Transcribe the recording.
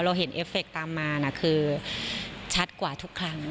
เห็นเอฟเฟคตามมานะคือชัดกว่าทุกครั้ง